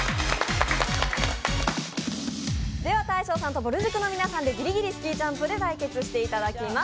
大昇さんとぼる塾の皆さんで「ぎりぎりスキージャンプ」で対決していただきます。